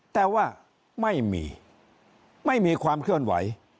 แต่ว่าไม่มีไม่มีความเคลื่อนไหว